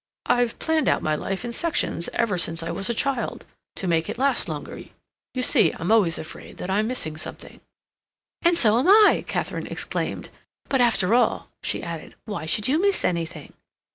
"I've planned out my life in sections ever since I was a child, to make it last longer. You see, I'm always afraid that I'm missing something—" "And so am I!" Katharine exclaimed. "But, after all," she added, "why should you miss anything?"